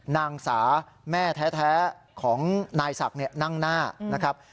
นางสาแม่แท้ของนายศักดิ์นั่งหน้านะครับ